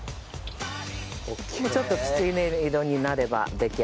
ちょっときつね色になれば出来上がりですよ